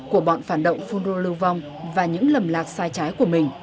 của bọn phản động phun rô lưu vong và những lầm lạc sai trái của mình